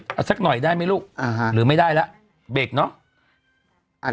ใหม่ได้มั้ยลูกหรือไม่ได้ละเบรกเนาะ